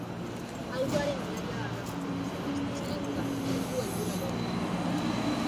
Autoaren gidaria harrapaketa saihesten saiatu da, baina ez du helburua lortu.